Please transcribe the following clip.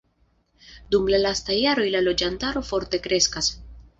Dum la lastaj jaroj la loĝantaro forte kreskas.